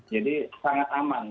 jadi sangat aman